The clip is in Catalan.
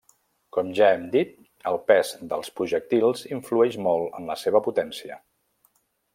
Com ja hem dit, el pes dels projectils influeix molt en la seva potència.